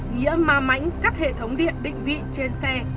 nghĩa ma mãnh cắt hệ thống điện định vị trên xe